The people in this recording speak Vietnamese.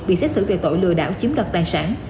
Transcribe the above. bị xét xử về tội lừa đảo chiếm đoạt tài sản